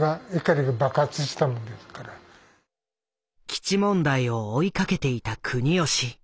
基地問題を追いかけていた國吉。